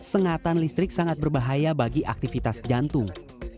sengatan listrik sangat berbahaya bagi aktivitas jantung